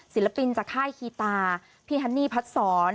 ศิลปินจากค่ายคีตาพี่ฮันนี่พัดศร